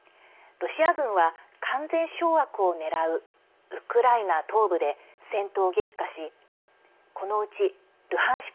ロシア軍は完全掌握を狙うウクライナ東部で戦闘を激化しこのうちルハンシク